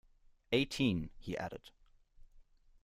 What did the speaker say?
Eighteen, he added.